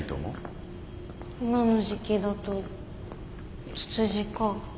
今の時期だとツツジか。